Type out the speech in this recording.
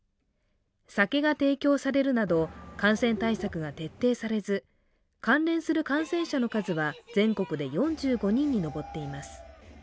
酒が提供されるなど、感染対策が徹底されず関連する感染者の数は、全国で４５人に上っています。